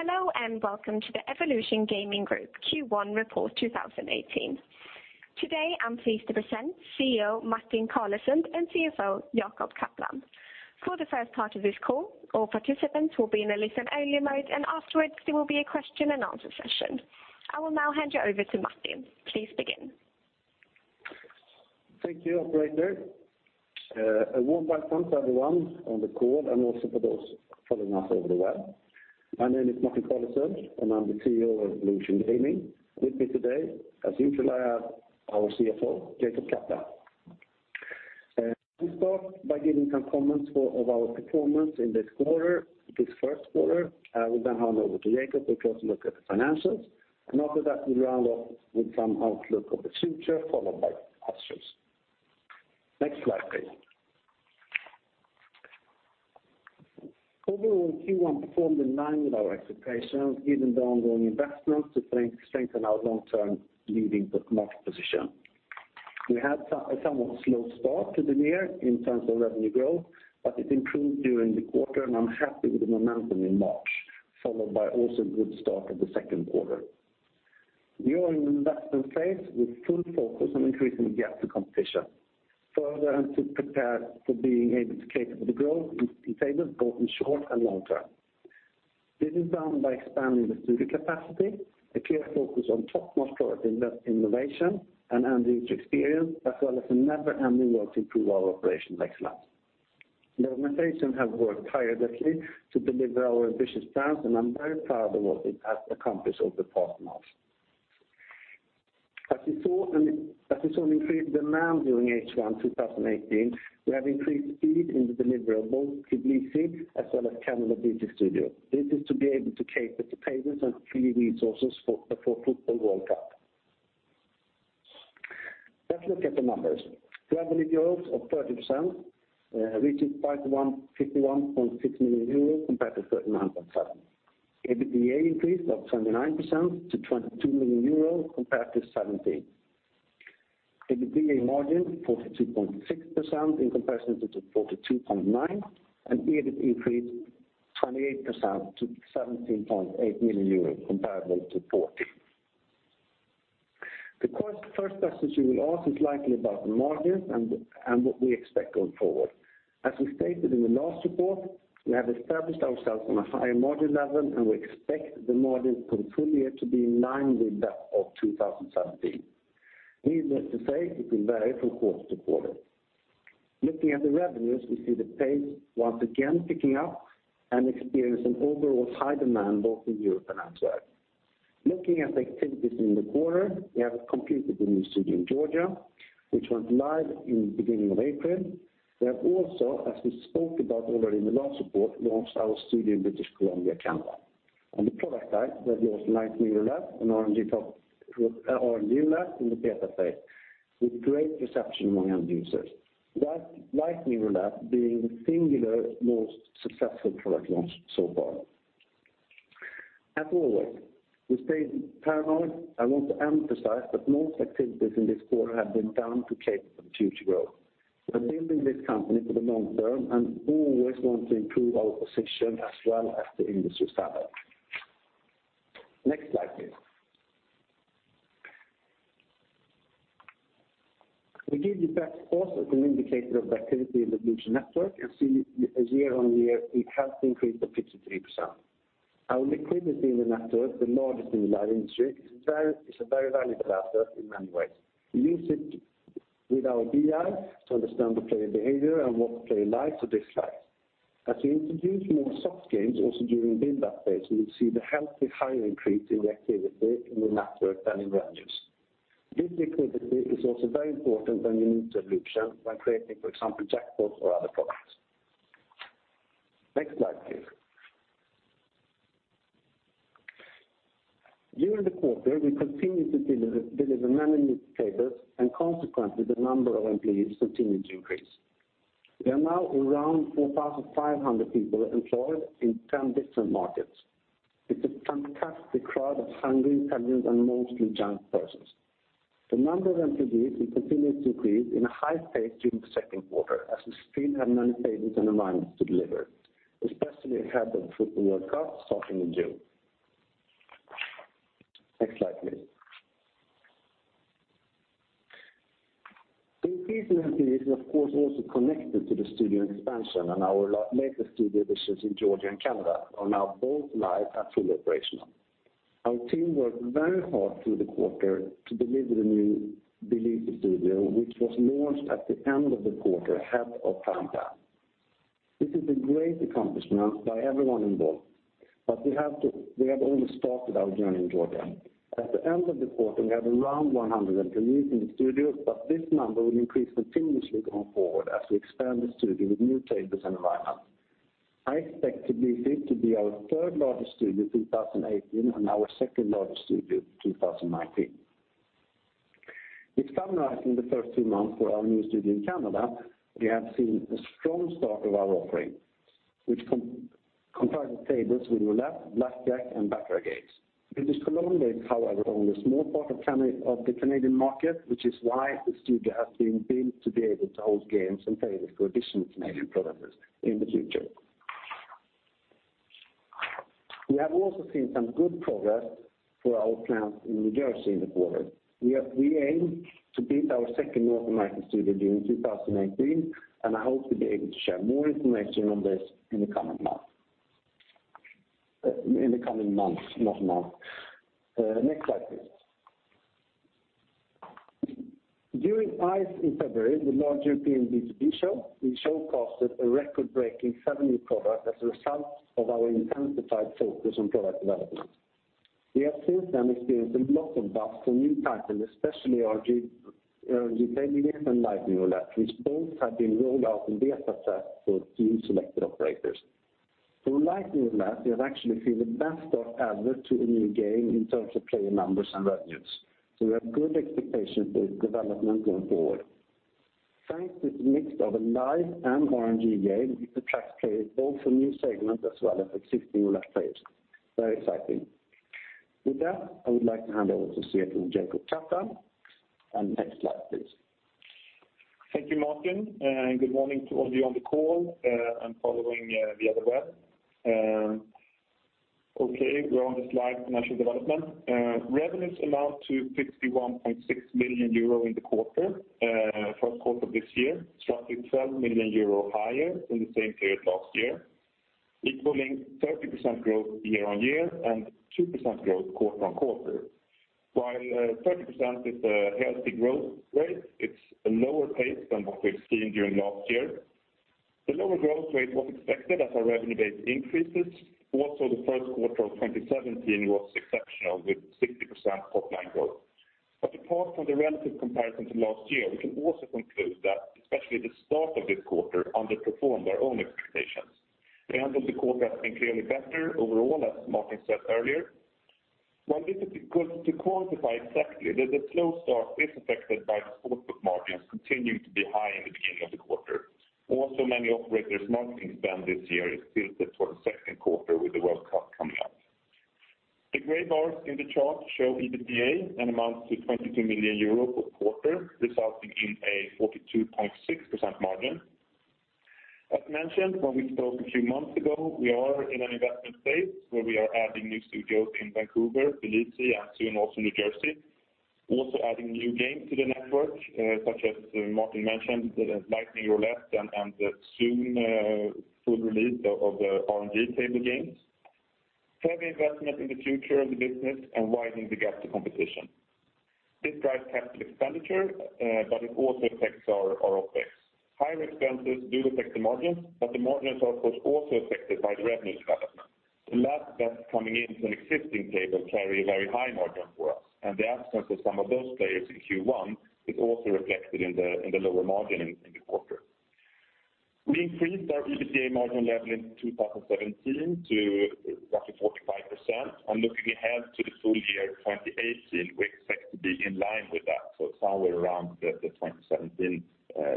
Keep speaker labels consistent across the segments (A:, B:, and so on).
A: Hello. Welcome to the Evolution Gaming Group Q1 Report 2018. Today, I'm pleased to present CEO Martin Carlesund and CFO Jacob Kaplan. For the first part of this call, all participants will be in a listen-only mode. Afterwards, there will be a question and answer session. I will now hand you over to Martin. Please begin.
B: Thank you, operator. A warm welcome to everyone on the call and also for those following us over the web. My name is Martin Carlesund, and I'm the CEO of Evolution Gaming. With me today, as usual, I have our CFO, Jacob Kaplan. We start by giving some comments of our performance in this quarter, this first quarter. We hand over to Jacob, who looks at the financials. After that, we round off with some outlook of the future, followed by questions. Next slide, please. Overall, Q1 performed in line with our expectations, given the ongoing investment to strengthen our long-term leading market position. We had a somewhat slow start to the year in terms of revenue growth. It improved during the quarter. I'm happy with the momentum in March, followed by also good start of the second quarter. We are in an investment phase with full focus on increasing gaps to competition, further and to prepare for being able to cater for the growth in tables, both in short and long term. This is done by expanding the studio capacity, a clear focus on top market innovation and end-user experience, as well as a never-ending work to improve our operational excellence. The organization has worked tirelessly to deliver our ambitious plans. I'm very proud of what we have accomplished over the past months. As we saw an increased demand during H1 2018, we have increased speed in the deliverable, Tbilisi as well as Canada B.C. Studio. This is to be able to cater to tables and free resources for football World Cup. Let's look at the numbers. Revenue growth of 30% reaches 51.6 million euros compared to 39.7 million. EBITDA increased of 29% to 22 million euros compared to 17 million. EBITDA margin 42.6% in comparison to 42.9%. EBIT increased 28% to 17.8 million euros comparable to 14 million. The first question you will ask is likely about the margins and what we expect going forward. As we stated in the last report, we have established ourselves on a higher margin level. We expect the margin full year to be in line with that of 2017. Needless to say, it will vary from quarter to quarter. Looking at the revenues, we see the pace once again picking up. Experience an overall high demand both in Europe and elsewhere. Looking at the activities in the quarter, we have completed the new studio in Georgia, which went live in the beginning of April. We have also, as we spoke about already in the last report, launched our studio in British Columbia, Canada. On the product side, we have launched Lightning Roulette, an RNG lab in the beta phase with great reception among end users, Lightning Roulette being the singular most successful product launch so far. As always, we stay paranoid. I want to emphasize that most activities in this quarter have been done to cater for future growth. We are building this company for the long term and always want to improve our position as well as the industry standard. Next slide, please. We give you bets also as an indicator of the activity in the Evolution network. You see as year-over-year, it has increased by 53%. Our liquidity in the network, the largest in the live industry, is a very valuable asset in many ways. We use it with our BI to understand the player behavior and what the player likes or dislikes. As we introduce more soft games also during build-up phase, we will see the healthy higher increase in the activity in the network and in revenues. This liquidity is also very important when you need to Evolution by creating, for example, jackpots or other products. Next slide, please. During the quarter, we continued to deliver many new tables, and consequently, the number of employees continued to increase. We are now around 4,500 people employed in 10 different markets. It's a fantastic crowd of hungry, talented and mostly young persons. The number of employees will continue to increase in a high pace during the second quarter as we still have many tables and environments to deliver, especially ahead of the football World Cup starting in June. Next slide, please. The increase in employees is, of course, also connected to the studio expansion and our latest studio additions in Georgia and Canada are now both live and fully operational. Our team worked very hard through the quarter to deliver the new Tbilisi studio, which was launched at the end of the quarter ahead of time plan. This is a great accomplishment by everyone involved, but we have only started our journey in Georgia. At the end of the quarter, we have around 100 employees in the studio, this number will increase continuously going forward as we expand the studio with new tables and environment. I expect Tbilisi to be our third largest studio 2018 and our second-largest studio 2019. With summarizing the first few months for our new studio in Canada, we have seen a strong start of our offering. Which comprise the tables with roulette, blackjack, and baccarat games. British Columbia is however only a small part of the Canadian market, which is why the studio has been built to be able to host games and tables for additional Canadian products in the future. We have also seen some good progress for our plans in New Jersey in the quarter. We aim to build our second North American studio during 2018, I hope to be able to share more information on this in the coming month. In the coming months, not month. Next slide, please. During ICE in February, the large European B2B show, we showcased a record-breaking seven new products as a result of our intensified focus on product development. We have since then experienced a lot of buzz for new titles, especially our Dream Catcher and Lightning Roulette, which both have been rolled out in beta tests for a few selected operators. For Lightning Roulette, we have actually seen the best start ever to a new game in terms of player numbers and revenues. We have good expectations for its development going forward. Thanks to the mix of a live and RNG game, it attracts players both from new segments as well as existing roulette players. Very exciting. With that, I would like to hand over to CFO Jacob Kaplan. Next slide, please.
C: Thank you, Martin, and good morning to all of you on the call, and following via the web. Okay, we're on the slide, financial development. Revenues amount to 51.6 million euro in the quarter. First quarter of this year, 12 million euro higher than the same period last year, equaling 30% growth year-over-year and 2% growth quarter-over-quarter. While 30% is a healthy growth rate, it's a lower pace than what we've seen during last year. The lower growth rate was expected as our revenue base increases. The first quarter of 2017 was exceptional with 60% top-line growth. Apart from the relative comparison to last year, we can also conclude that especially the start of this quarter underperformed our own expectations. The end of the quarter has been clearly better overall, as Martin said earlier. While difficult to quantify exactly, the slow start is affected by the sportsbook margins continuing to be high in the beginning of the quarter. Many operators' marketing spend this year is tilted toward the second quarter with the World Cup coming up. The gray bars in the chart show EBITDA and amounts to 22 million euros per quarter, resulting in a 42.6% margin. As mentioned when we spoke a few months ago, we are in an investment phase where we are adding new studios in Vancouver, Tbilisi, and soon also New Jersey. Adding new games to the network, such as Martin mentioned, Lightning Roulette and the soon full release of the RNG table games. Heavy investment in the future of the business and widening the gap to competition. This drives capital expenditure, it also affects our OpEx. Higher expenses do affect the margin, the margin is of course also affected by the revenue development. The large bets coming in to an existing table carry a very high margin for us, and the absence of some of those players in Q1 is also reflected in the lower margin in the quarter. We increased our EBITDA margin level in 2017 to roughly 45%. Looking ahead to the full year 2018, we expect to be in line with that, somewhere around the 2017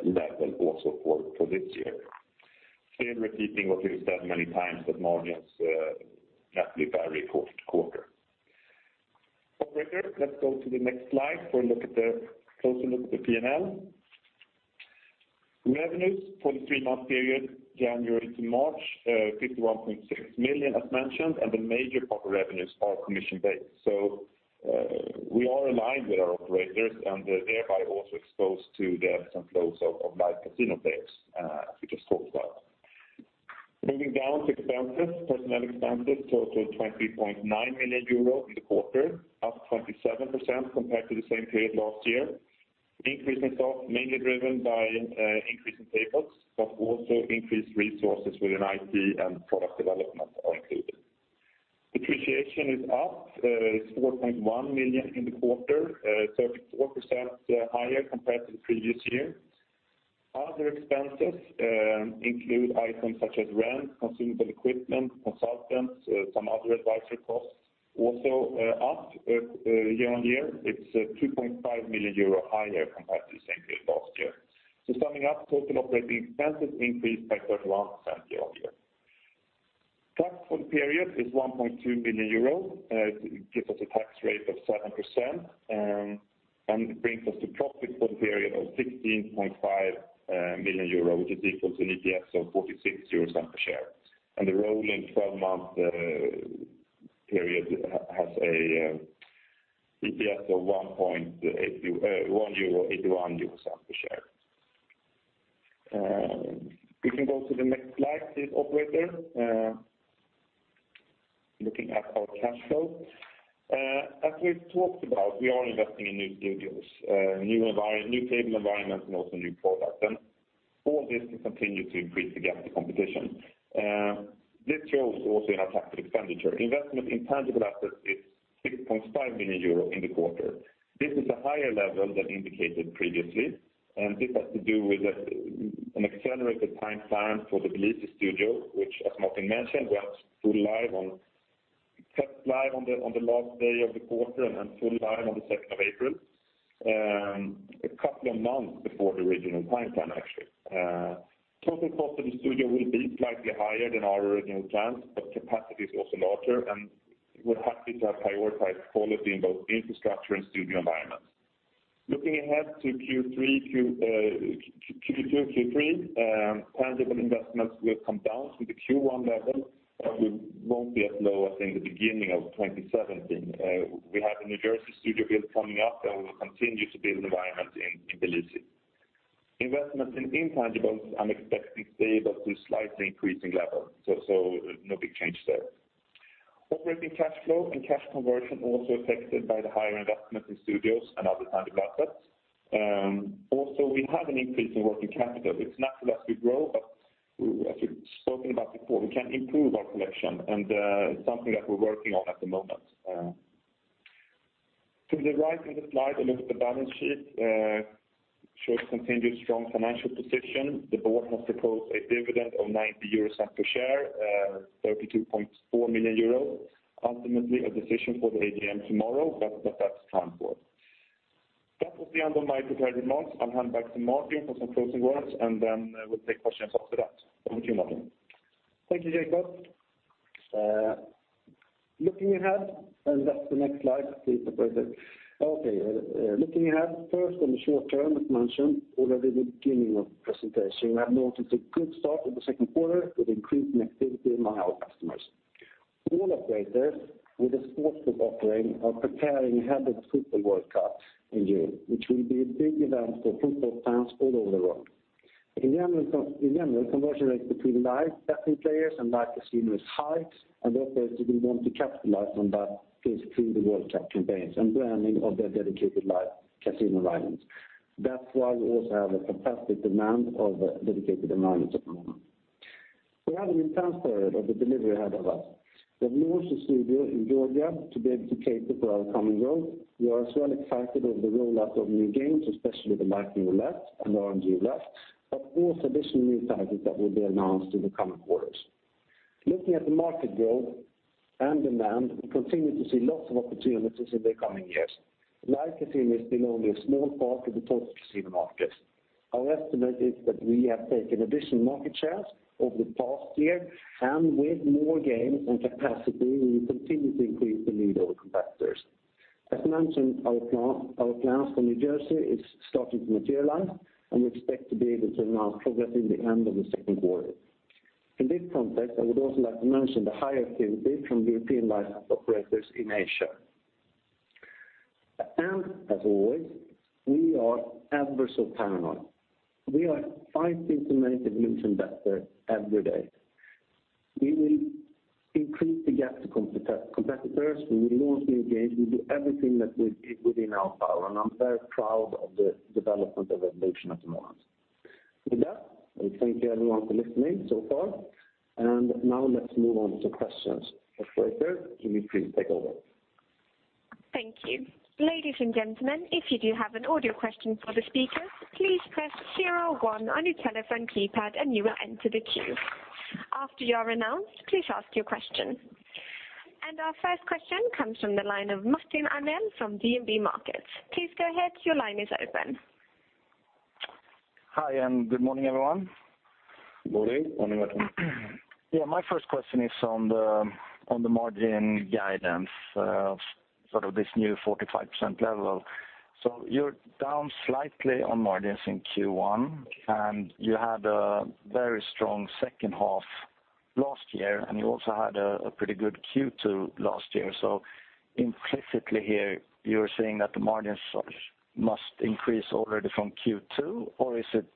C: level also for this year. Still repeating what we've said many times, that margins naturally vary quarter to quarter. Operator, let's go to the next slide for a closer look at the P&L. Revenues for the three-month period, January to March, 51.6 million as mentioned, and the major part of revenues are commission-based. We are aligned with our operators and thereby also exposed to the ebbs and flows of Live Casino players as we just talked about. Moving down to expenses, personnel expenses totaled 20.9 million euro in the quarter, up 27% compared to the same period last year. Increase in staff mainly driven by increase in tables, but also increased resources within IT and product development are included. Depreciation is up, 4.1 million in the quarter, 34% higher compared to the previous year. Other expenses include items such as rent, consumable equipment, consultants, some other advisory costs, also up year-on-year. It is 2.5 million euro higher compared to the same period last year. Summing up total operating expenses increased by 31% year-on-year. Tax for the period is 1.2 million euros. It gives us a tax rate of 7% and brings us to profit for the period of 16.5 million euro, which is equal to an EPS of 0.46 euros per share. The rolling 12-month period has an EPS of 1.81 euro per share. We can go to the next slide please, operator. Looking at our cash flow. As we have talked about, we are investing in new studios, new table environment, and also new product. All this to continue to increase the gap to competition. This shows also in our capital expenditure. Investment in tangible assets is 6.5 million euro in the quarter. This is a higher level than indicated previously, and this has to do with an accelerated timeline for the Tbilisi studio, which as Martin mentioned, went full live on Test live on the last day of the quarter and then full live on the 2nd of April, a couple of months before the original timeline, actually. Total cost of the studio will be slightly higher than our original plans, but capacity is also larger, and we are happy to have prioritized quality in both infrastructure and studio environments. Looking ahead to Q2 and Q3, tangible investments will come down to the Q1 level, but we will not be as low as in the beginning of 2017. We have a New Jersey studio build coming up, and we will continue to build environment in Tbilisi. Investments in intangibles, I am expecting stable to slightly increasing levels. No big change there. Operating cash flow and cash conversion also affected by the higher investment in studios and other tangible assets. Also, we have an increase in working capital. It is natural as we grow, but as we have spoken about before, we can improve our collection and it is something that we are working on at the moment. To the right of the slide, a look at the balance sheet shows continued strong financial position. The board has proposed a dividend of 0.90 per share, 32.4 million euro. Ultimately, a decision for the AGM tomorrow, but that is time for it. That was the end of my prepared remarks. I will hand back to Martin for some closing words, and then we will take questions after that. Over to you, Martin.
B: Thank you, Jacob. Looking ahead, that's the next slide, please, operator. Okay. Looking ahead, first on the short term, as mentioned already at the beginning of the presentation, we have noticed a good start in the second quarter with increased connectivity among our customers. All operators with a sports book offering are preparing ahead of the World Cup in June, which will be a big event for football fans all over the world. Operators will want to capitalize on that through the World Cup campaigns and branding of their dedicated Live Casino environments. That's why we also have a capacity demand of dedicated environments at the moment. We have an intense period of the delivery ahead of us. We have launched a studio in Georgia to be able to cater for our common growth. We are as well excited of the rollout of new games, especially the Lightning Roulette and the Auto Roulette, additional new titles that will be announced in the coming quarters. Looking at the market growth and demand, we continue to see lots of opportunities in the coming years. Live Casino is still only a small part of the total casino market. Our estimate is that we have taken additional market shares over the past year, with more games and capacity, we will continue to increase the lead over competitors. As mentioned, our plans for New Jersey is starting to materialize, we expect to be able to announce progress in the end of the second quarter. In this context, I would also like to mention the higher activity from European licensed operators in Asia. As always, we are ever so paranoid. We are fighting to make Evolution better every day. We will increase the gap to competitors. We will launch new games. We do everything that is within our power, I'm very proud of the development of Evolution at the moment. With that, I thank you everyone for listening so far. Now let's move on to questions. Operator, can you please take over?
A: Thank you. Ladies and gentlemen, if you do have an audio question for the speakers, please press zero one on your telephone keypad and you will enter the queue. After you are announced, please ask your question. Our first question comes from the line of Martin Arnell from DNB Markets. Please go ahead. Your line is open.
D: Hi, good morning, everyone.
B: Good morning.
C: Morning, Martin.
D: Yeah, my first question is on the margin guidance of sort of this new 45% level. You're down slightly on margins in Q1, and you had a very strong second half last year, and you also had a pretty good Q2 last year. Implicitly here, you're saying that the margins must increase already from Q2? Is it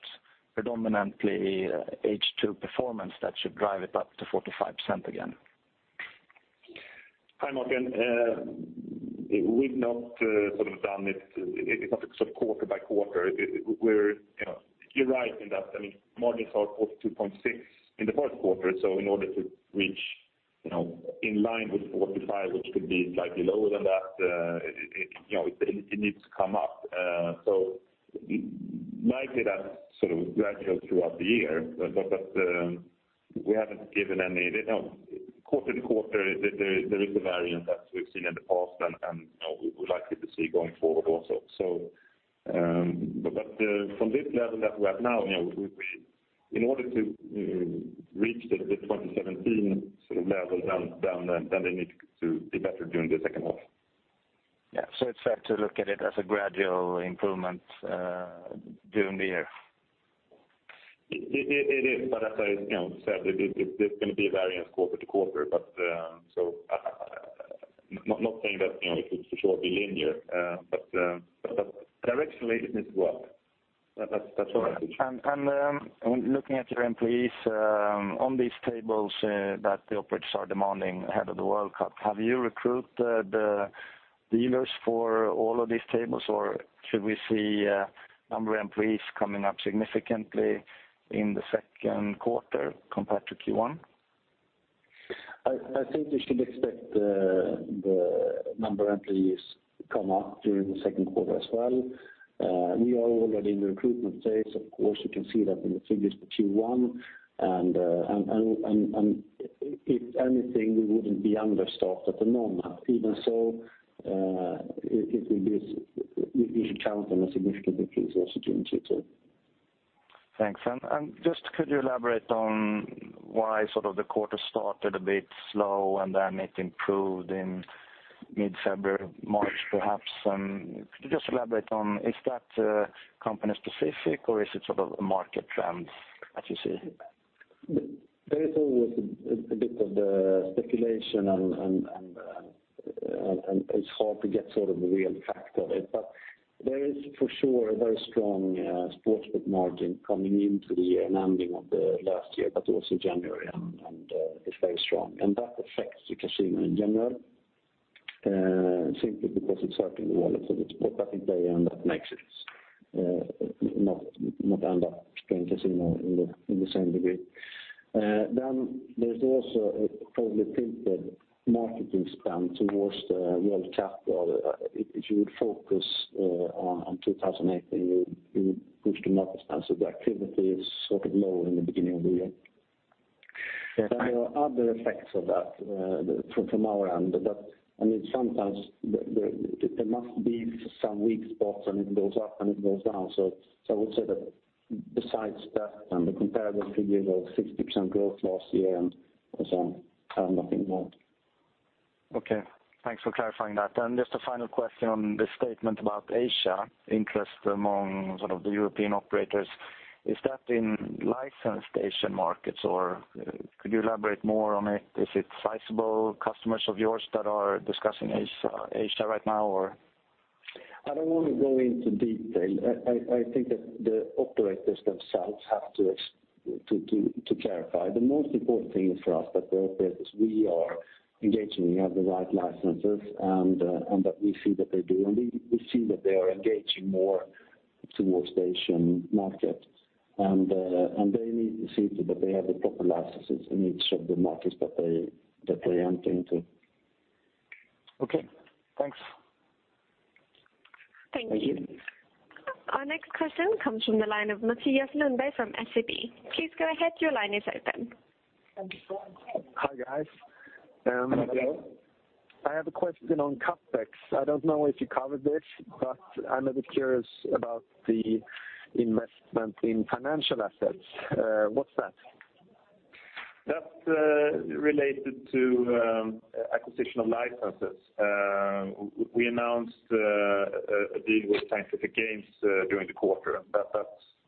D: predominantly H2 performance that should drive it up to 45% again?
C: Hi, Martin. We've not sort of done it sort of quarter by quarter. You are right in that, I mean, margins are 42.6% in the fourth quarter. In order to reach in line with 45%, which could be slightly lower than that it needs to come up. Likely that's sort of gradual throughout the year, but we haven't given any quarter to quarter. There is a variant that we've seen in the past and we are likely to see going forward also. From this level that we are at now, in order to reach the 2017 sort of level down then they need to be better during the second half.
D: Yeah. It's fair to look at it as a gradual improvement during the year?
C: It is, but as I said, there's going to be a variance quarter to quarter, but I'm not saying that it will for sure be linear. Directionally it needs to work. That's all I can say.
D: Looking at your employees on these tables that the operators are demanding ahead of the World Cup, have you recruited the dealers for all of these tables, or should we see number of employees coming up significantly in the second quarter compared to Q1?
C: Number of employees come up during the second quarter as well. We are already in the recruitment phase. Of course, you can see that in the figures for Q1, and if anything, we wouldn't be understaffed at the moment. Even so, we should count on a significant increase also during Q2.
D: Thanks. Could you elaborate on why the quarter started a bit slow and then it improved in mid-February, March perhaps? Could you just elaborate on, is that company specific or is it a market trend that you see?
C: There is always a bit of the speculation, and it's hard to get the real fact of it. There is for sure a very strong sportsbook margin coming into the year and ending of the last year, but also January, and it's very strong. That affects the casino in general, simply because it's hurting the wallet of the sports betting player, and that makes it not end up playing casino in the same degree. There's also a heavily tilted marketing spend towards the World Cup. If you would focus on 2018, you would push the market spend, so the activity is low in the beginning of the year.
D: Fair.
C: There are other effects of that from our end. Sometimes there must be some weak spots, and it goes up, and it goes down. I would say that besides that, the comparable figures are 60% growth last year and nothing more.
D: Okay, thanks for clarifying that. Just a final question on this statement about Asia, interest among the European operators. Is that in licensed Asian markets, or could you elaborate more on it? Is it sizable customers of yours that are discussing Asia right now?
C: I don't want to go into detail. I think that the operators themselves have to clarify. The most important thing is for us that the operators we are engaging have the right licenses, and that we see that they do. We see that they are engaging more towards the Asian market, and they need to see to it that they have the proper licenses in each of the markets that they enter into.
D: Okay, thanks.
A: Thank you. Our next question comes from the line of Mattias Lundberg from SEB. Please go ahead, your line is open.
E: Hi, guys.
C: Hello.
E: I have a question on Capex. I don't know if you covered this, but I'm a bit curious about the investment in financial assets. What's that?
C: That's related to acquisition of licenses. We announced a deal with Scientific Games during the quarter.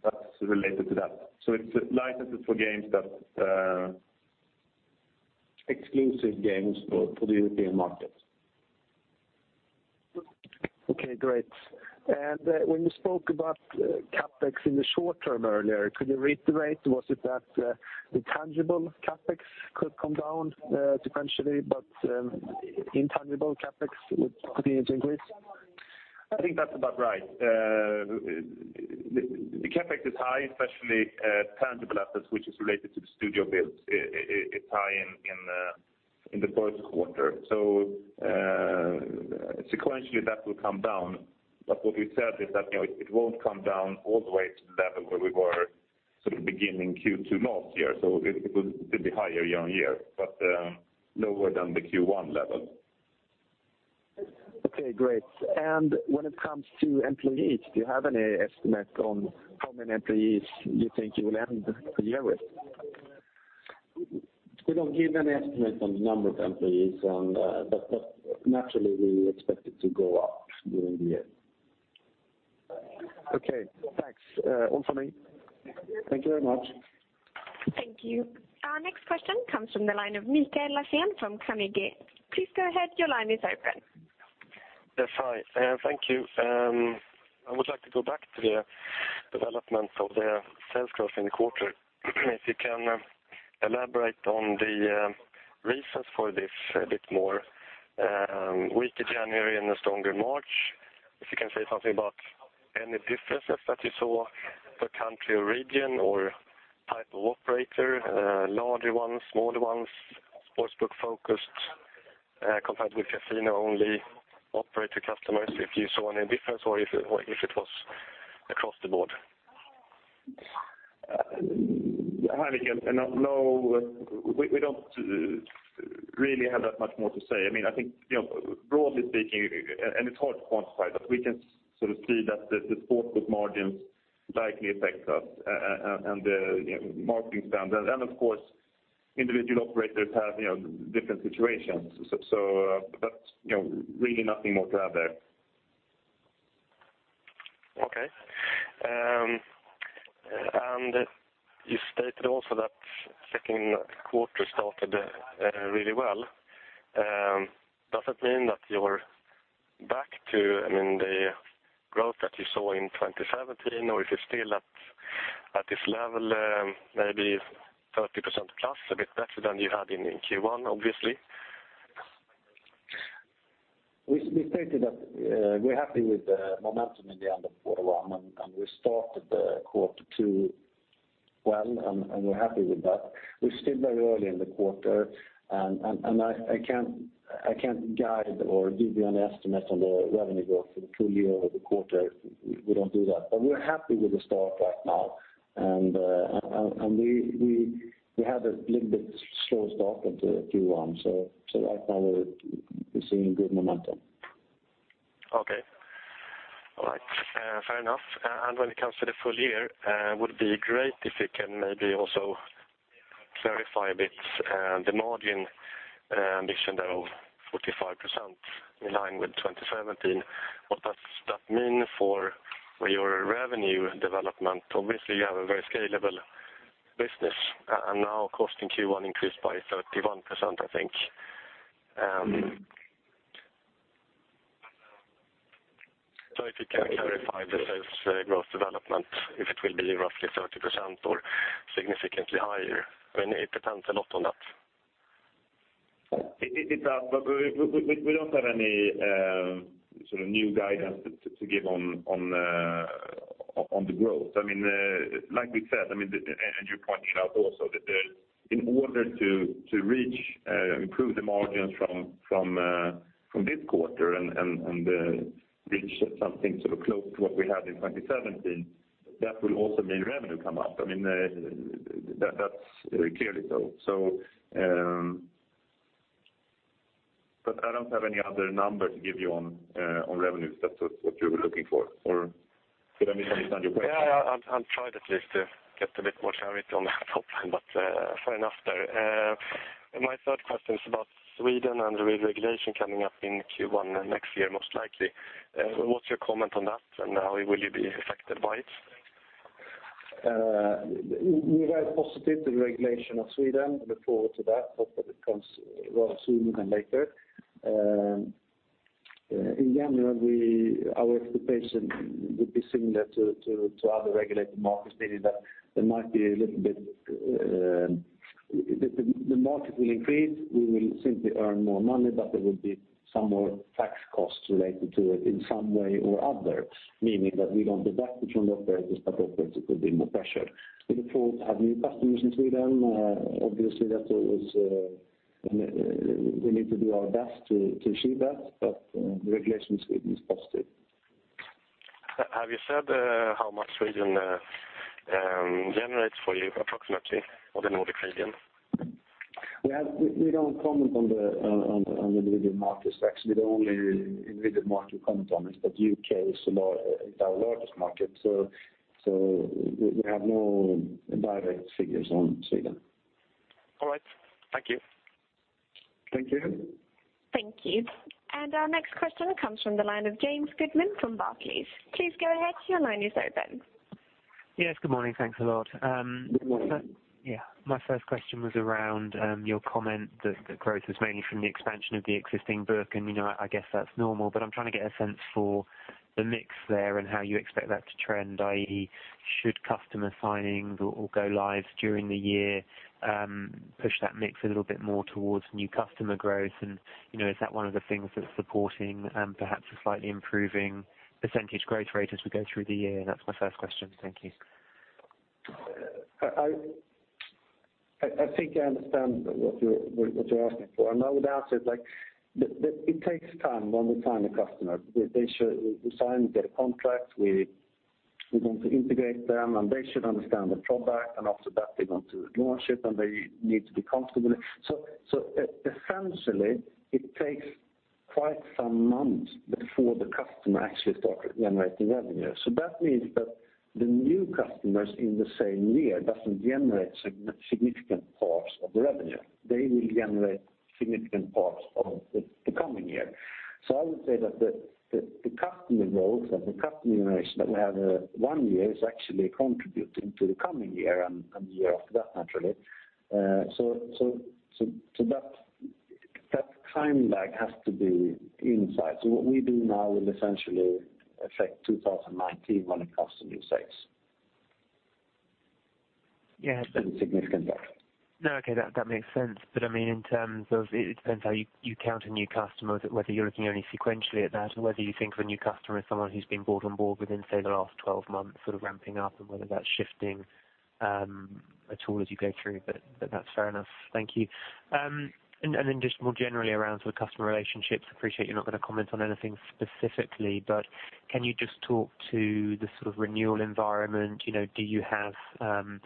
C: That's related to that. It's licenses for games that are exclusive games for the European market.
E: Okay, great. When you spoke about Capex in the short term earlier, could you reiterate, was it that the tangible Capex could come down sequentially, but intangible Capex would continue to increase?
C: I think that's about right. The Capex is high, especially tangible assets, which is related to the studio build. It's high in the first quarter. Sequentially, that will come down. What we said is that it won't come down all the way to the level where we were beginning Q2 last year. It will still be higher year-on-year, but lower than the Q1 level.
E: Okay, great. When it comes to employees, do you have any estimate on how many employees you think you will end the year with?
C: We don't give any estimate on the number of employees. Naturally, we expect it to go up during the year.
E: Okay, thanks. All for me.
C: Thank you very much.
A: Thank you. Our next question comes from the line of Mikael Larsson from Carnegie. Please go ahead, your line is open.
F: Yes, hi. Thank you. I would like to go back to the development of the sales growth in the quarter. If you can elaborate on the reasons for this a bit more, weaker January and a stronger March. If you can say something about any differences that you saw per country or region or type of operator, larger ones, smaller ones, sportsbook-focused compared with casino-only operator customers, if you saw any difference or if it was across the board.
C: Mikael, we don't really have that much more to say. I think, broadly speaking, it's hard to quantify, but we can see that the sportsbook margins likely affect us and the marketing spend. Of course, individual operators have different situations. Really nothing more to add there.
F: Okay. You stated also that second quarter started really well. Does it mean that you're back to the growth that you saw in 2017, or if you're still at this level, maybe 30% plus, a bit better than you had in Q1, obviously?
C: We stated that we're happy with the momentum in the end of quarter one. We started the quarter two Well, we're happy with that. We're still very early in the quarter. I can't guide or give you an estimate on the revenue growth for the full year or the quarter. We don't do that, but we're happy with the start right now. We had a little bit slow start into Q1, right now we're seeing good momentum.
F: Okay. All right. Fair enough. When it comes to the full year, would be great if you can maybe also clarify a bit the margin ambition there of 45% in line with 2017. What does that mean for your revenue development? Obviously, you have a very scalable business. Now cost in Q1 increased by 31%, I think. If you can clarify the sales growth development, if it will be roughly 30% or significantly higher, it depends a lot on that.
C: It does, we don't have any sort of new guidance to give on the growth. Like we said, you pointed out also that in order to reach improve the margins from this quarter and reach something close to what we had in 2017, that will also mean revenue come up. That's clearly so. I don't have any other number to give you on revenues if that's what you were looking for, or did I misunderstand your question?
F: Yeah, I'll try at least to get a bit more clarity on that top line, but fair enough there. My third question is about Sweden and the regulation coming up in Q1 next year, most likely. What's your comment on that and how will you be affected by it?
C: We're very positive to the regulation of Sweden. We look forward to that, hope that it comes rather sooner than later. In general, our expectation would be similar to other regulated markets, meaning that there might be The market will increase. We will simply earn more money, but there will be some more tax costs related to it in some way or other, meaning that we don't deduct it from the operators, but operators will be more pressured. We look forward to have new customers in Sweden. Obviously, we need to do our best to achieve that, but the regulation in Sweden is positive.
F: Have you said how much Sweden generates for you approximately, of the Nordic region?
C: We don't comment on the individual markets. Actually, the only individual market we comment on is the U.K., it's our largest market. We have no direct figures on Sweden.
F: All right. Thank you.
C: Thank you.
A: Thank you. Our next question comes from the line of James Goodman from Barclays. Please go ahead. Your line is open.
G: Yes. Good morning. Thanks a lot.
C: Good morning.
G: My first question was around your comment that the growth was mainly from the expansion of the existing book. I guess that's normal, but I'm trying to get a sense for the mix there and how you expect that to trend, i.e., should customer signings or go lives during the year, push that mix a little bit more towards new customer growth. Is that one of the things that's supporting perhaps a slightly improving percentage growth rate as we go through the year? That's my first question. Thank you.
C: I think I understand what you're asking for. No doubt, it takes time when we sign a customer. We sign, we get a contract, we want to integrate them. They should understand the product. After that, they want to launch it. They need to be comfortable. Essentially, it takes quite some months before the customer actually starts generating revenue. That means that the new customers in the same year doesn't generate significant parts of the revenue. They will generate significant parts of the coming year. I would say that the customer growth and the customer generation that we have one year is actually contributing to the coming year and the year after that, naturally. That time lag has to be in sight. What we do now will essentially affect 2019 when it comes to new sales.
G: Yeah.
C: In significant way.
G: No, okay, that makes sense. In terms of, it depends how you count a new customer, whether you're looking only sequentially at that or whether you think of a new customer as someone who's been brought on board within, say, the last 12 months sort of ramping up and whether that's shifting at all as you go through. That's fair enough. Thank you. Just more generally around sort of customer relationships, appreciate you're not going to comment on anything specifically, but can you just talk to the sort of renewal environment? Do you have a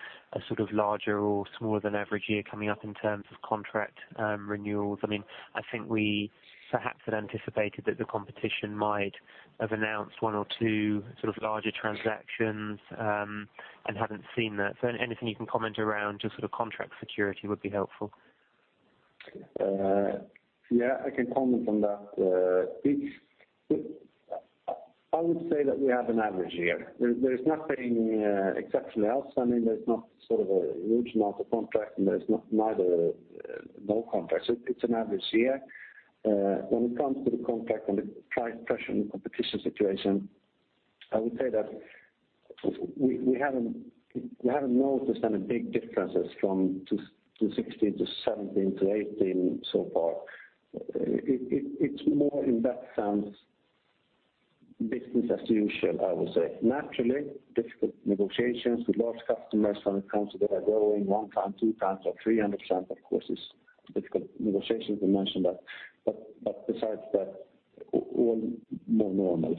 G: sort of larger or smaller-than-average year coming up in terms of contract renewals? I think we perhaps had anticipated that the competition might have announced one or two sort of larger transactions, and haven't seen that. Anything you can comment around just sort of contract security would be helpful.
C: Yeah, I can comment on that piece. I would say that we have an average year. There's nothing exceptionally else. There's not sort of a huge amount of contracts, and there's neither no contracts. It's an average year. When it comes to the contract and the price pressure and competition situation, I would say that we haven't noticed any big differences from 2016 to 2017 to 2018 so far.
B: Business as usual, I would say. Naturally, difficult negotiations with large customers when it comes to they are growing one time, two times, or 300%, of course, it's difficult negotiations, we mentioned that. Besides that, all more normal.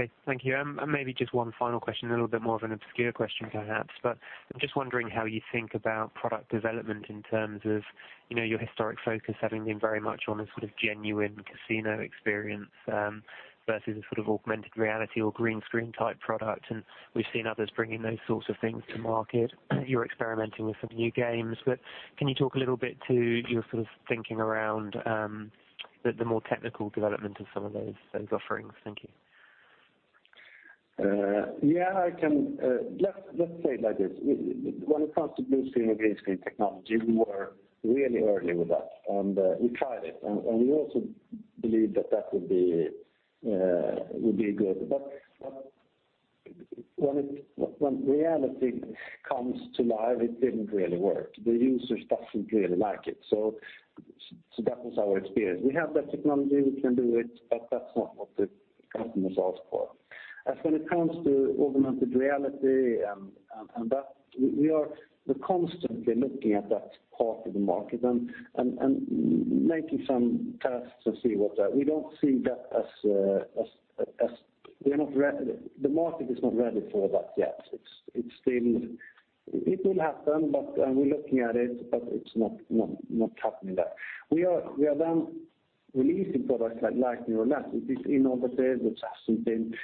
G: Okay, thank you. Maybe just one final question, a little bit more of an obscure question perhaps, but I'm just wondering how you think about product development in terms of your historic focus having been very much on the sort of genuine casino experience, versus a sort of augmented reality or green screen type product, and we've seen others bringing those sorts of things to market. You're experimenting with some new games, but can you talk a little bit to your thinking around, the more technical development of some of those offerings? Thank you.
B: Yeah, I can. Let's say it like this, when it comes to blue screen or green screen technology, we were really early with that, and we tried it, and we also believed that would be good. When reality comes to life, it didn't really work. The users don't really like it. That was our experience. We have that technology, we can do it, but that's not what the customers ask for. When it comes to augmented reality and that, we are constantly looking at that part of the market and making some tests to see. We don't see that as, the market is not ready for that yet. It will happen, and we're looking at it, but it's not happening there. We are then releasing products like Lightning Roulette. It is innovative. It hasn't been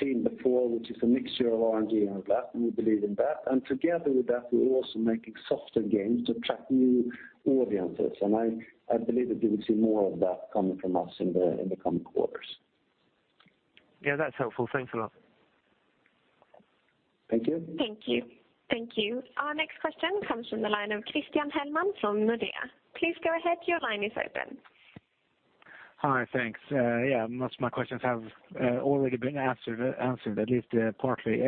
B: seen before, which is a mixture of RNG and that, and we believe in that. Together with that, we're also making softer games to attract new audiences. I believe that you will see more of that coming from us in the coming quarters.
G: Yeah, that's helpful. Thanks a lot.
B: Thank you.
A: Thank you. Our next question comes from the line of Christian Hellman from Nordea. Please go ahead. Your line is open.
H: Hi, thanks. Yeah, most of my questions have already been answered, at least partly.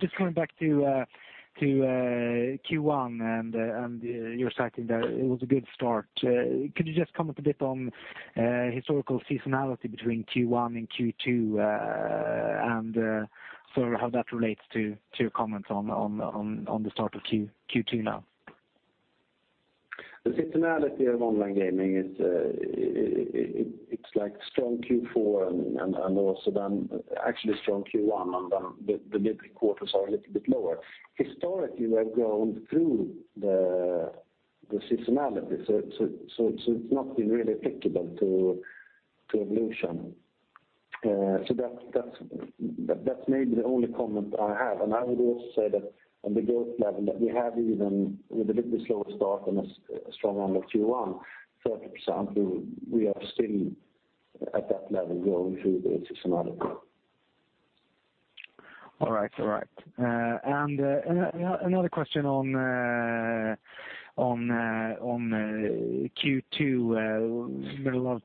H: Just coming back to Q1 and you were citing there it was a good start. Could you just comment a bit on historical seasonality between Q1 and Q2, and sort of how that relates to your comments on the start of Q2 now?
B: The seasonality of online gaming it's like strong Q4 also then actually strong Q1 then the mid quarters are a little bit lower. Historically, we have grown through the seasonality, it's not been really applicable to Evolution. That's maybe the only comment I have. I would also say that on the growth level that we have, even with a little bit slower start and a strong end of Q1, 30%, we are still at that level growing through the seasonality.
H: All right. Another question on Q2. Read a lot of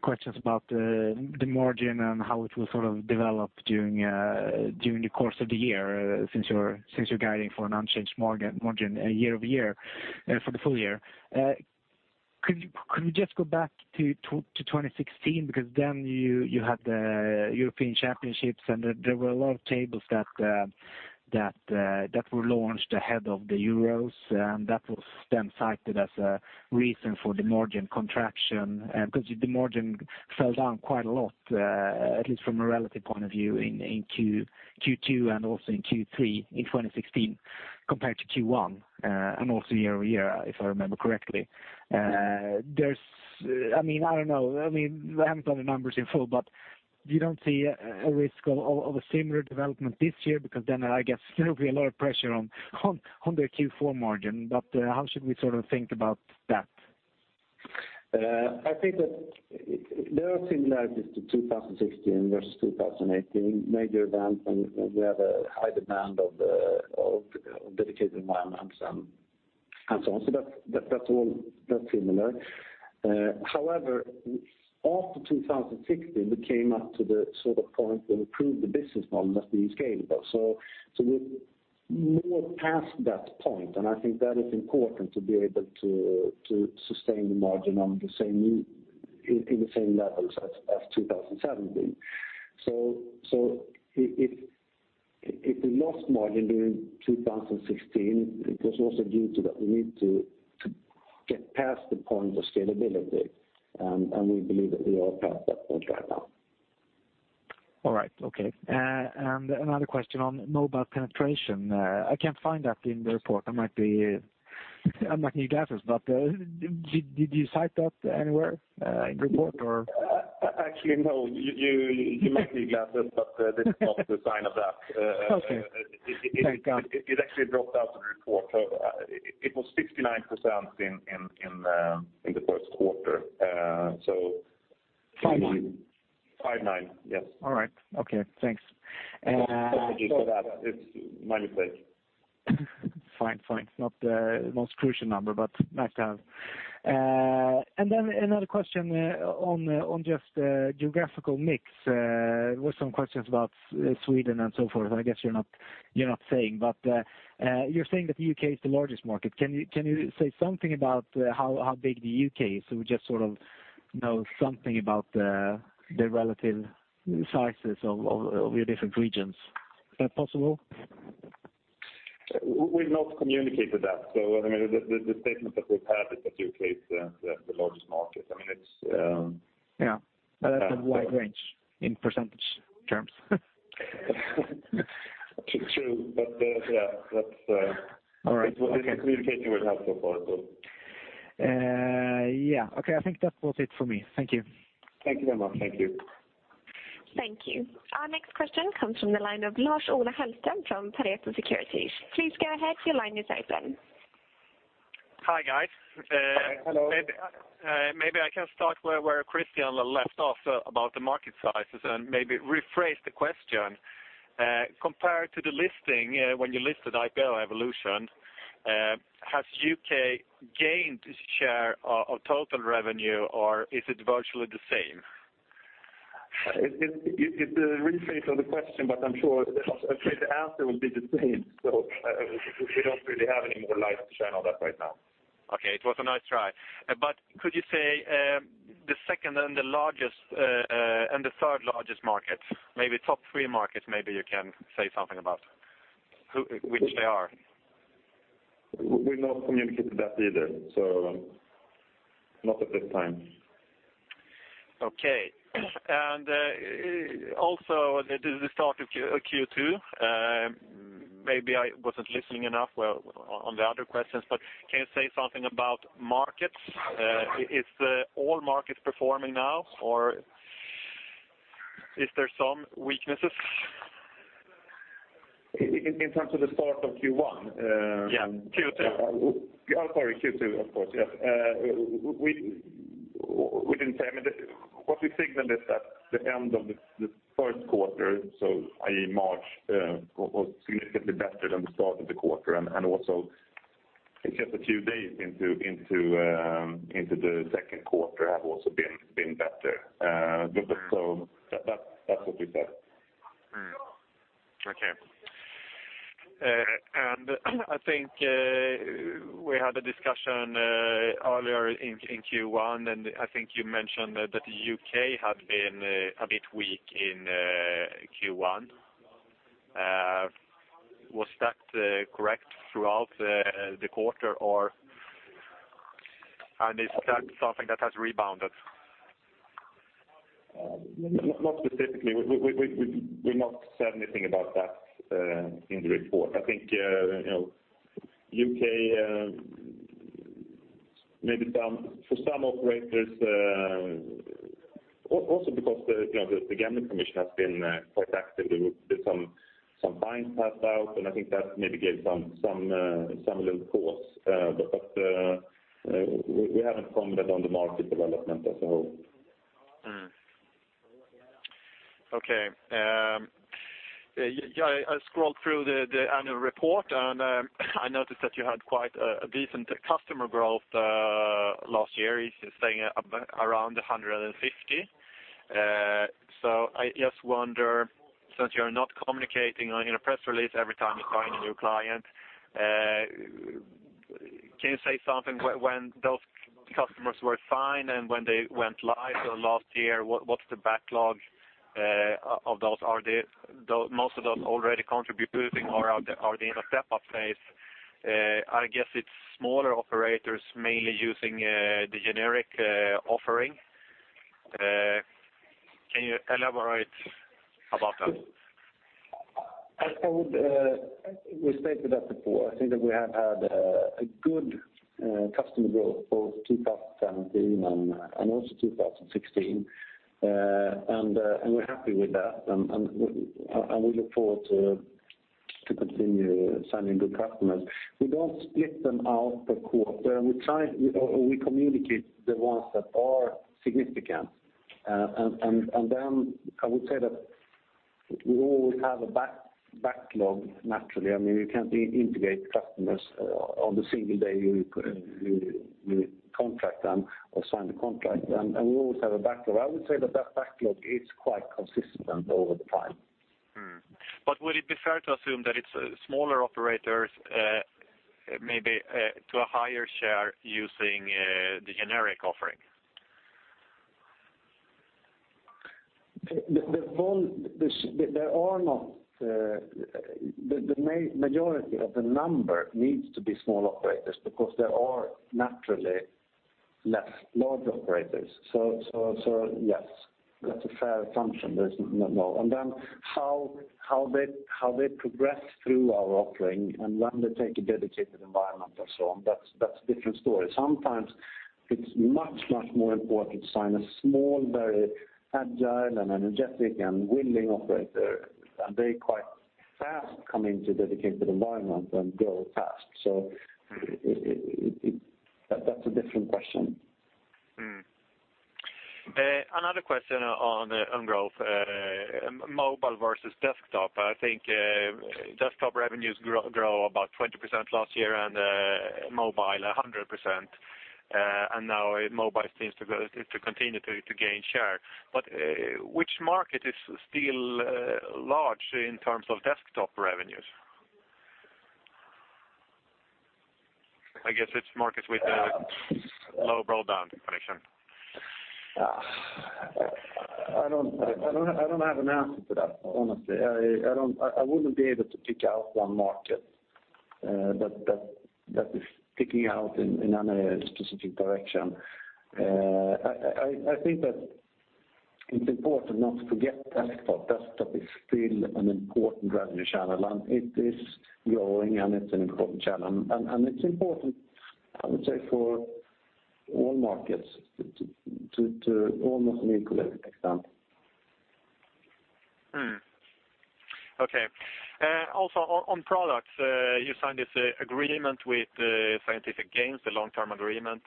H: questions about the margin and how it will sort of develop during the course of the year, since you're guiding for an unchanged margin year-over-year for the full year. Could we just go back to 2016, because then you had the European Championships. There were a lot of tables that were launched ahead of the Euros, that was then cited as a reason for the margin contraction. Because the margin fell down quite a lot, at least from a relative point of view in Q2 also in Q3 in 2016 compared to Q1, also year-over-year, if I remember correctly. I don't know. I haven't got the numbers in full. You don't see a risk of a similar development this year because then I guess there will be a lot of pressure on the Q4 margin. How should we sort of think about that?
B: I think that there are similarities to 2016 versus 2018, major events, and we have a high demand of dedicated environments and so on. That's all similar. However, after 2016, we came up to the sort of point that we proved the business model as being scalable. We're more past that point, and I think that is important to be able to sustain the margin in the same levels as 2017. If we lost margin during 2016, it was also due to that we need to get past the point of scalability. We believe that we are past that point right now.
H: All right. Okay. Another question on mobile penetration. I can't find that in the report. I might need glasses. Did you cite that anywhere in the report or?
B: Actually, no. You might need glasses. This is not the sign of that.
H: Okay. Thank God.
B: It actually dropped out of the report. It was 69% in the first quarter.
H: 59.
B: 59, yes.
H: All right. Okay, thanks.
B: Apologies for that. It's my mistake.
H: Fine. It's not the most crucial number, but nice to have. Another question on just geographical mix. There were some questions about Sweden and so forth, and I guess you're not saying, but you're saying that the U.K. is the largest market. Can you say something about how big the U.K. is? We just sort of know something about the relative sizes of your different regions. Is that possible?
C: We've not communicated that. The statement that we've had is that U.K. is the largest market.
H: Yeah. That's a wide range in percentage terms.
C: True. Yeah.
H: All right. Okay.
C: It's what we communicated what we have so far.
H: Yeah. Okay. I think that was it for me. Thank you.
C: Thank you very much. Thank you.
A: Thank you. Our next question comes from the line of Lars-Ola Hellström from Pareto Securities. Please go ahead, your line is open.
I: Hi, guys.
C: Hello.
I: Maybe I can start where Christian left off about the market sizes and maybe rephrase the question. Compared to the listing, when you listed IPO Evolution, has U.K. gained share of total revenue, or is it virtually the same?
C: It's a rephrase of the question, but I'm sure the answer will be the same. We don't really have any more light to shine on that right now.
I: Okay. It was a nice try. Could you say, the second and the third largest markets, maybe top three markets, maybe you can say something about which they are?
C: We've not communicated that either. Not at this time.
I: Okay. Also, the start of Q2, maybe I wasn't listening enough on the other questions, but can you say something about markets? Is all markets performing now, or is there some weaknesses?
C: In terms of the start of Q1?
I: Yeah. Q2.
C: Oh, sorry. Q2, of course. Yes. We didn't say. What we signaled is that the end of the first quarter, so i.e. March, was significantly better than the start of the quarter, also it's just a few days into the second quarter have also been better. That's what we said.
I: Okay. I think we had a discussion earlier in Q1, I think you mentioned that U.K. had been a bit weak in Q1. Was that correct throughout the quarter, and is that something that has rebounded?
C: Not specifically. We've not said anything about that in the report. I think, U.K., for some operators, also because the Gambling Commission has been quite active. There's some fines passed out, and I think that maybe gave some little pause. We haven't commented on the market development as a whole.
I: Okay. I scrolled through the annual report, I noticed that you had quite a decent customer growth last year, you're saying around 150. I just wonder, since you're not communicating in a press release every time you sign a new client, can you say something when those customers were signed and when they went live last year? What's the backlog of those? Are most of those already contributing, or are they in a step-up phase? I guess it's smaller operators mainly using the generic offering. Can you elaborate about that?
C: I think we stated that before. I think that we have had a good customer growth both 2017 and also 2016. We're happy with that, and we look forward to continue signing good customers. We don't split them out per quarter. We communicate the ones that are significant. I would say that we always have a backlog, naturally. We can't integrate customers on the single day we contract them or sign the contract. We always have a backlog. I would say that that backlog is quite consistent over the time.
I: Would it be fair to assume that it's smaller operators, maybe to a higher share, using the generic offering?
C: The majority of the number needs to be small operators, because there are naturally less large operators. Yes, that's a fair assumption. How they progress through our offering and when they take a dedicated environment and so on, that's a different story. Sometimes it's much, much more important to sign a small, very agile and energetic and willing operator, and they quite fast come into dedicated environment and grow fast. That's a different question.
I: Another question on growth, mobile versus desktop. I think desktop revenues grow about 20% last year and mobile 100%. Now mobile seems to continue to gain share. Which market is still large in terms of desktop revenues? I guess it's markets with a low dial-up connection.
C: I don't have an answer to that, honestly. I wouldn't be able to pick out one market that is sticking out in any specific direction. I think that it's important not to forget desktop. Desktop is still an important revenue channel, and it is growing, and it's an important channel. It's important, I would say, for all markets to almost equal extent.
I: Okay. Also on products, you signed this agreement with Scientific Games, the long-term agreement.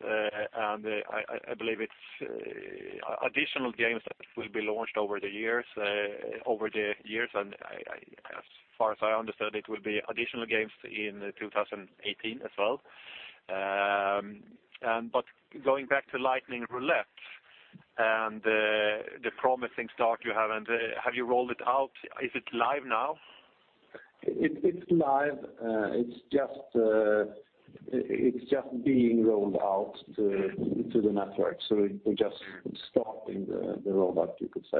I: I believe it's additional games that will be launched over the years. As far as I understood, it will be additional games in 2018 as well. Going back to Lightning Roulette and the promising start you have you rolled it out? Is it live now?
C: It's live. It's just being rolled out to the network. We're just starting the rollout, you could say.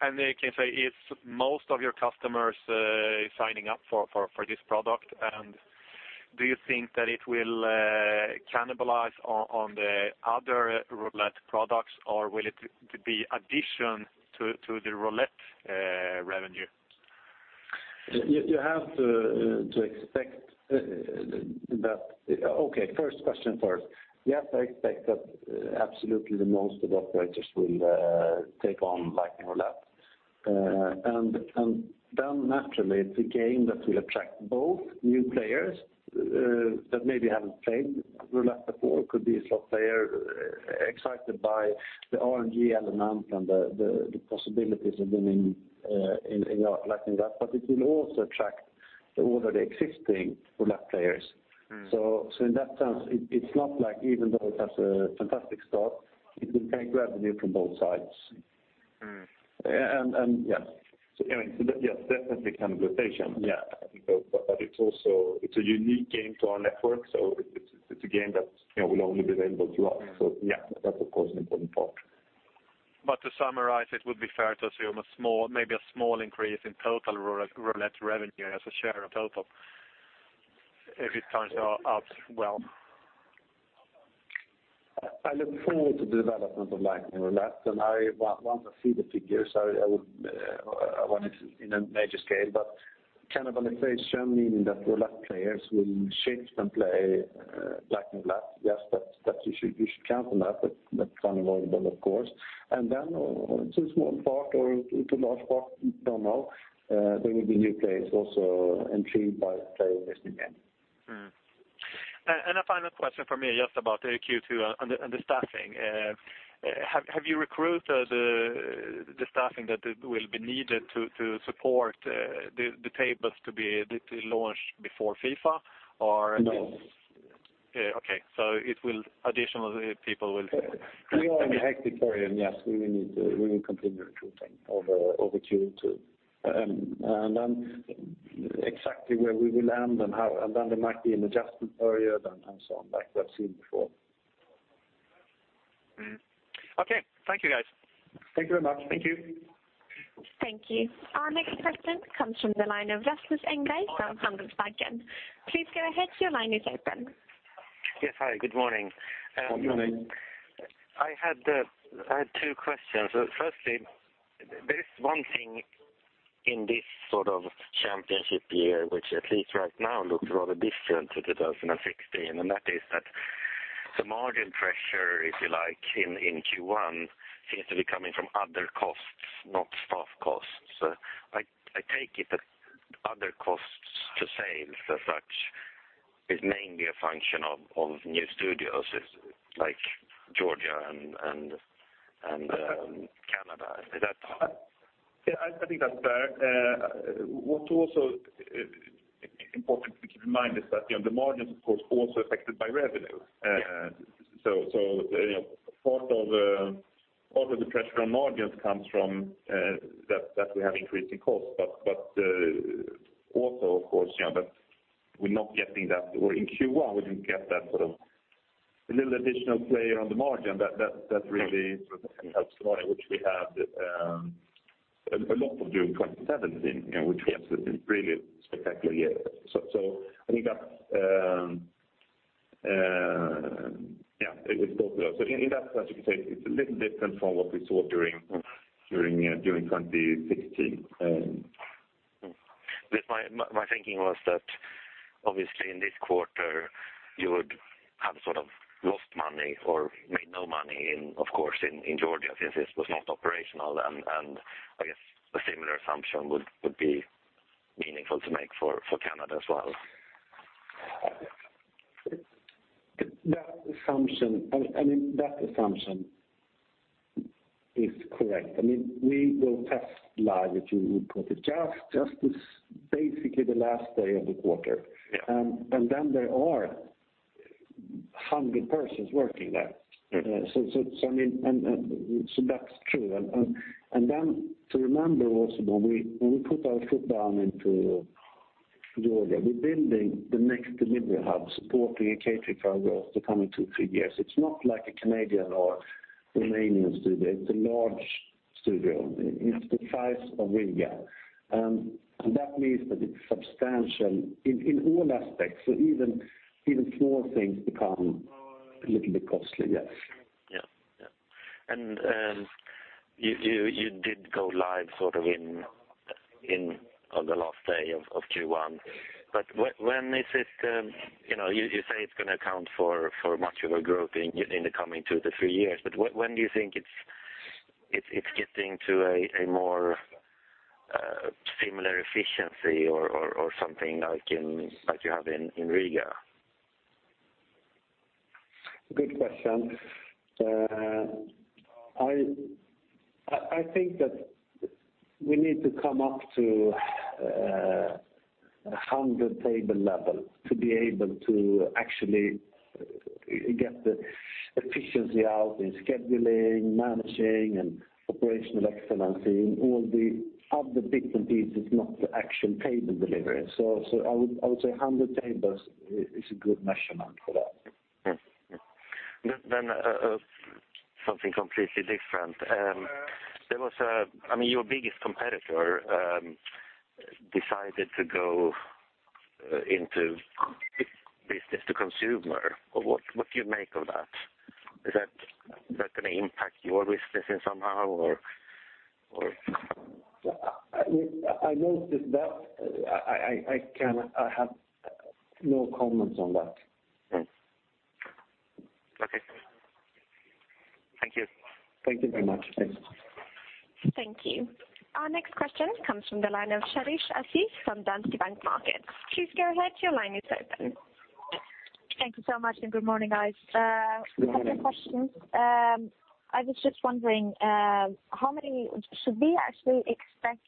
I: Can you say if most of your customers are signing up for this product, and do you think that it will cannibalize on the other roulette products, or will it be addition to the roulette revenue?
C: Okay, first question first. You have to expect that absolutely the most of the operators will take on Lightning Roulette. Naturally it's a game that will attract both new players that maybe haven't played roulette before, could be a slot player excited by the RNG element and the possibilities of winning in Lightning Roulette, but it will also attract the already existing roulette players. In that sense, it's not like even though it has a fantastic start, it will take revenue from both sides. Yes, definitely cannibalization. It's a unique game to our network, so it's a game that will only be available to us. Yeah, that's of course an important part.
I: To summarize, it would be fair to assume maybe a small increase in total roulette revenue as a share of total, if it turns out well.
C: I look forward to the development of Lightning Roulette. I want to see the figures. I want it in a major scale, cannibalization, meaning that roulette players will shift and play Lightning Roulette, yes, you should count on that. That's unavoidable, of course. Then to a small part or to large part, don't know, there will be new players also intrigued by playing this new game.
I: A final question from me, just about Q2 and the staffing. Have you recruited the staffing that will be needed to support the tables to be launched before FIFA?
C: No.
I: Additional people will.
C: We are in a hectic period. Yes, we will need to. We will continue recruiting over Q2. Exactly where we will land there might be an adjustment period and so on, like we have seen before.
I: Okay. Thank you, guys.
C: Thank you very much.
A: Thank you. Our next question comes from the line of Rasmus Engberg of Handelsbanken. Please go ahead, your line is open.
J: Yes. Hi, good morning.
C: Good morning.
J: I had two questions. Firstly, there is one thing in this sort of championship year which at least right now looks rather different to 2016, and that is that the margin pressure, if you like, in Q1 seems to be coming from other costs, not staff costs. I take it that other costs to sales as such is mainly a function of new studios like Georgia and Canada. Is that?
C: Yeah, I think that's fair. What's also important to keep in mind is that the margins, of course, are also affected by revenue.
J: Yes.
C: Part of the pressure on margins comes from that we have increasing costs. Also, of course, that in Q1, we didn't get that little additional play around the margin that really helps the margin, which we had a lot of during 2017, which was a really spectacular year. I think that, yeah, it will go through that. In that sense, you could say it's a little different from what we saw during 2016.
J: My thinking was that obviously in this quarter, you would have sort of lost money or made no money in, of course, in Georgia, since it was not operational. I guess a similar assumption would be meaningful to make for Canada as well.
C: That assumption is correct. We will test live, if you would put it, just as basically the last day of the quarter.
J: Yeah.
C: Then there are
B: 100 persons working there. Okay. That's true. To remember also when we put our foot down into Georgia, we are building the next delivery hub supporting a category for the upcoming two, three years. It's not like a Canadian or Romanian studio. It's a large studio. It's the size of Riga. That means that it's substantial in all aspects. Even small things become a little bit costly, yes.
J: Yeah. You did go live sort of on the last day of Q1. You say it's going to account for much of a growth in the coming two to three years, when do you think it's getting to a more similar efficiency or something like you have in Riga?
B: Good question. I think that we need to come up to 100 table level to be able to actually get the efficiency out in scheduling, managing, and operational excellence, and all the other different pieces, not the actual table delivery. I would say 100 tables is a good measurement for that.
J: Yes. Something completely different. Your biggest competitor decided to go into business to consumer. What do you make of that? Is that going to impact your business in somehow or?
B: I noticed that. I have no comments on that.
J: Okay. Thank you.
B: Thank you very much. Thanks.
A: Thank you. Our next question comes from the line of Sharish Aziz from Danske Bank Markets. Please go ahead, your line is open.
K: Thank you so much. Good morning, guys.
B: Good morning.
K: A couple of questions. I was just wondering, should we actually expect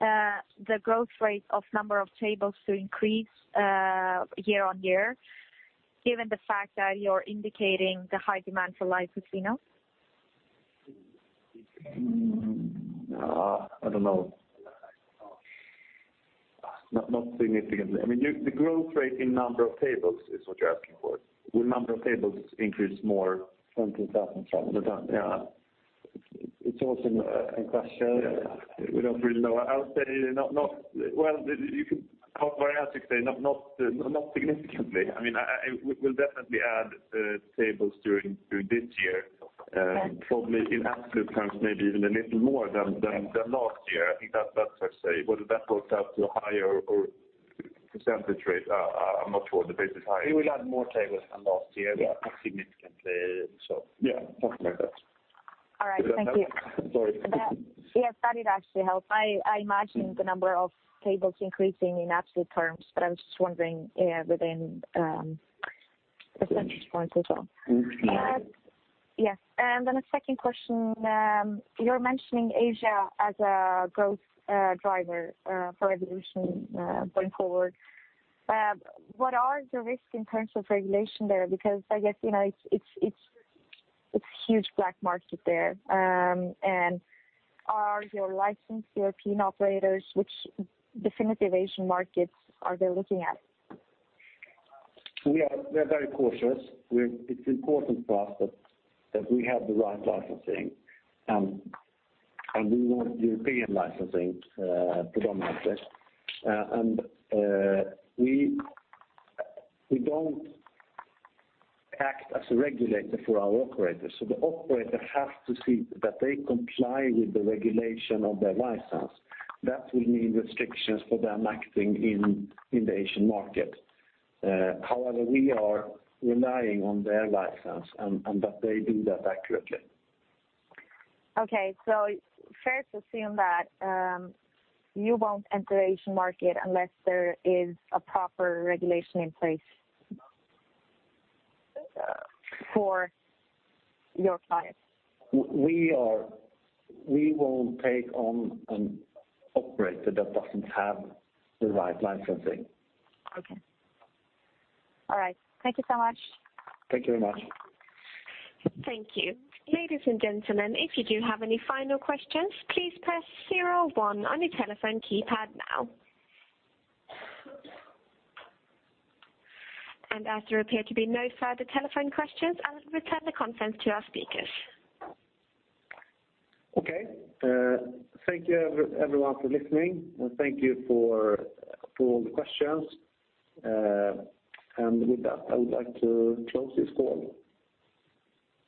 K: the growth rate of number of tables to increase year-on-year, given the fact that you're indicating the high demand for Live Casino?
C: I don't know. Not significantly. The growth rate in number of tables is what you're asking for. Will number of tables increase more-
B: 20,000 tables.
C: than that, yeah.
B: It's also an interesting question.
C: We don't really know. I would say, not significantly. We'll definitely add tables during this year.
K: Right.
C: Probably in absolute terms, maybe even a little more than last year. I think that's safe to say. Whether that works out to a higher percentage rate, I'm not sure. The base is high.
B: We will add more tables than last year.
K: Yeah
B: Not significantly. Yeah, something like that.
K: All right, thank you.
C: Sorry.
K: Yes, that did actually help. I imagined the number of tables increasing in absolute terms, but I was just wondering within percentage points as well. Yes, then a second question. You're mentioning Asia as a growth driver for Evolution going forward. What are the risks in terms of regulation there? Because I guess, it's huge black market there. Are your licensed European operators, which definite Asian markets are they looking at?
B: We are very cautious. It's important to us that we have the right licensing, and we want European licensing predominantly. We don't act as a regulator for our operators. The operator has to see that they comply with the regulation of their license. That will mean restrictions for them acting in the Asian market. However, we are relying on their license and that they do that accurately.
K: Okay. It's fair to assume that you won't enter the Asian market unless there is a proper regulation in place for your clients.
B: We won't take on an operator that doesn't have the right licensing.
K: Okay. All right. Thank you so much.
B: Thank you very much.
A: Thank you. Ladies and gentlemen, if you do have any final questions, please press 01 on your telephone keypad now. As there appear to be no further telephone questions, I will return the conference to our speakers.
C: Okay. Thank you everyone for listening, and thank you for all the questions. With that, I would like to close this call.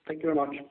C: Thank you very much.